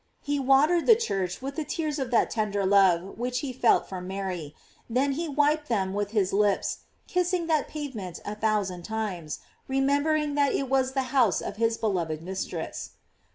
He watered the church with the tears of that tender love which he felt for Mary; then he wiped them with his lips, kiss ing that pavement a thousand times, remember ing that it was the house of his beloved mistress.